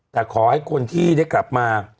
แต่ขอให้คนที่ได้กลับมา